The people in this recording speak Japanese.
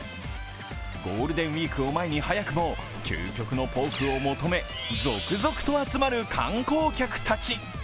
ゴールデンウイークを前に早くも究極のポークを求め続々と集まる観光客たち。